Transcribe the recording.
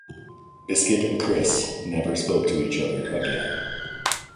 Biscuit and Chris never spoke to each other again.